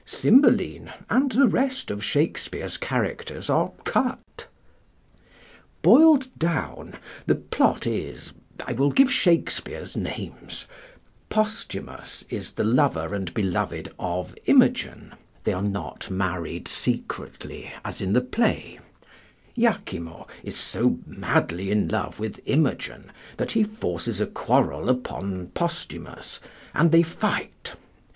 Cymbeline and the rest of Shakespeare's characters are cut. Boiled down, the plot is (I will give Shakespeare's names): Posthumus is the lover and beloved of Imogen; they are not married secretly, as in the play; Iachimo is so madly in love with Imogen that he forces a quarrel on Posthumus, and they fight.